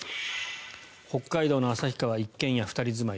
北海道の旭川一軒家２人住まい。